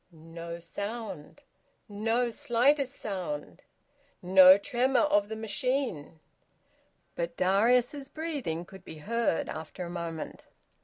No sound! No slightest sound! No tremor of the machine! But Darius's breathing could be heard after a moment.